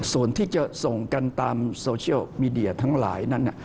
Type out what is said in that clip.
ส่วนที่จะส่งกันตามโซเชียลมีเดียทั้งหลายนั้น